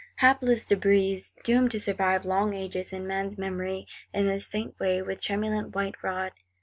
— Hapless De Brézé; doomed to survive long ages, in men's memory, in this faint way, with tremulent white rod!